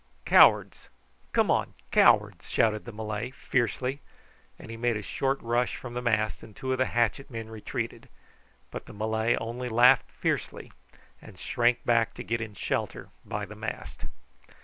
"Cowards! come on, cowards!" shouted the Malay fiercely, and he made a short rush from the mast, and two of the hatchet men retreated; but the Malay only laughed fiercely, and shrank back to get in shelter by the mast.